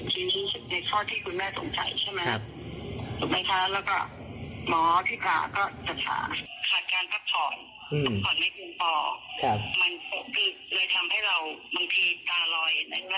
ทุกวันนี้ชอบมันที่จะหาอาการอ่อนเทีย